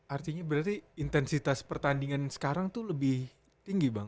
artinya berarti intensitas pertandingan sekarang itu lebih tinggi bang